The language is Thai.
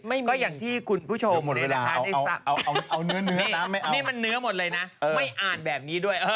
ไม่มีไม่มีเหรอเอาเนื้อนะไม่อ่าน